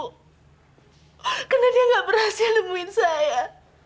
karena dia nggak berhasil nemuin saya